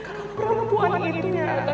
kalau perempuan itu yang akan melisahkan